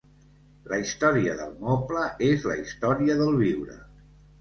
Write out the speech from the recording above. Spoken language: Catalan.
La història del moble és la història del viure.